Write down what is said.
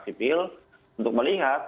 sipil untuk melihat